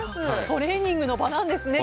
トレーニングの場なんですね。